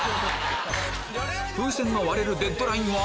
風船が割れるデッドラインは？